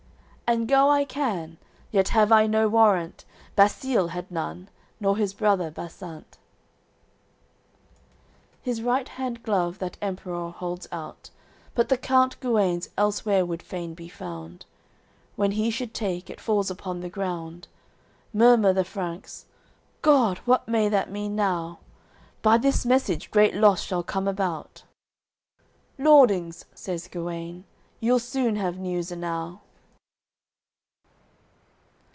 "And go I can; yet have I no warrant Basile had none nor his brother Basant." XXV His right hand glove that Emperour holds out; But the count Guenes elsewhere would fain be found; When he should take, it falls upon the ground. Murmur the Franks: "God! What may that mean now? By this message great loss shall come about." "Lordings," says Guene, "You'll soon have news enow."